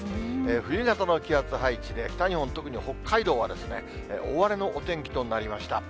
冬型の気圧配置で、北日本、特に北海道は大荒れのお天気となりました。